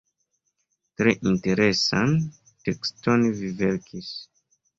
Tre interesan tekston vi verkis.